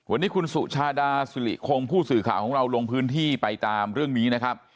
วันนี้คุณสุชาดาสุริคงผู้สื่อข่าวของเราลงพื้นที่ไปตามเรื่องนี้นะครับ